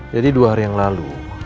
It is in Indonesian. jadi dua hari yang lalu